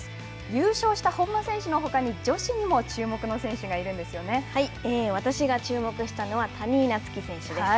優勝した本間選手のほかに女子にも注目の選手が私が注目したのは谷井菜月選手です。